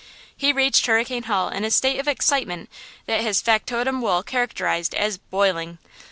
He reached Hurricane Hall in a state of excitement that his factotum Wool characterized as "boiling."